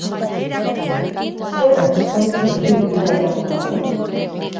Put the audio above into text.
Zer eskatzein du bidaia mota honek?